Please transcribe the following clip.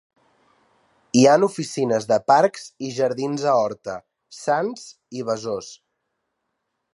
Hi han oficines de Parcs i Jardins a Horta, Sants i Besòs.